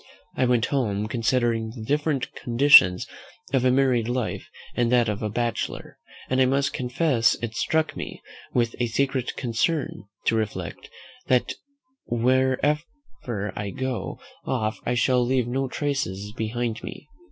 I went home, considering the different conditions of a married life and that of a bachelor; and I must confess it struck me with a secret concern, to reflect, that whenever I go off I shall leave no traces behind me.